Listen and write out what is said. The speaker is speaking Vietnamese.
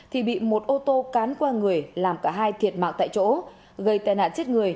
thì bị một ô tô cán qua người làm cả hai thiệt mạng tại chỗ gây tai nạn chết người